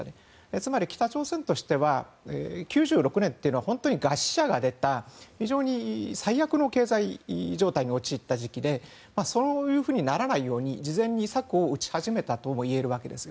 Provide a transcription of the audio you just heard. つまり北朝鮮としては９６年というのは餓死者が出た最悪の経済状態に陥った時期でそういうふうにならないように事前に策を打ち始めたということですよ。